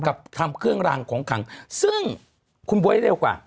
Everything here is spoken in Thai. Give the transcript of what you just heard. กับทำเครื่องรางของขังซึ่งคุณบ๊วยเร็วกว่า